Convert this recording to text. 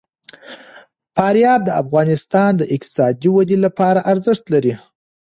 فاریاب د افغانستان د اقتصادي ودې لپاره ارزښت لري.